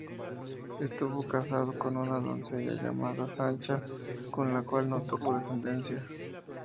Estuvo casado con una doncella llamada Sancha, con la cual no tuvo descendencia.